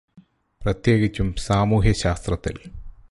പ്രത്യേകിച്ചും സാമൂഹ്യശാസ്ത്രത്തിൽ.